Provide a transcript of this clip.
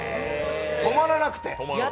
止まらなくて。